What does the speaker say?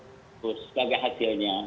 terus bagaimana hasilnya